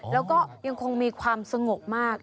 แล้วก็ยังคงมีความสงบมาก